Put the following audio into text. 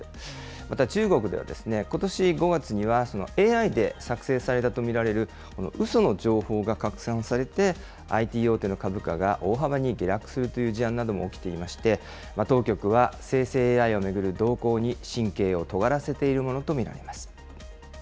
また中国では、ことし５月には、ＡＩで作成されたと見られるうその情報が拡散されて、ＩＴ大手の株価が大幅に下落するという事案なども起きていまして、当局は生成ＡＩを巡る動向に神経をとがらせているものと見られます。